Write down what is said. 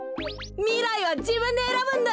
みらいはじぶんでえらぶんだ。